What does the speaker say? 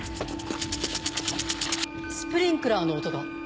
スプリンクラーの音が。